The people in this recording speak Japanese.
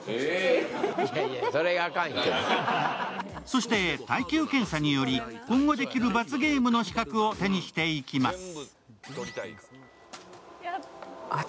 そして耐久検査により、今後できる罰ゲームの資格を手にしていきます。